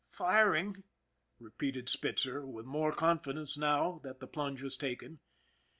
" Firing," repeated Spitzer, with more confidence now that the plunge was taken.